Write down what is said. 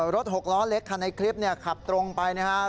รถหกล้อเล็กคันในคลิปขับตรงไปนะครับ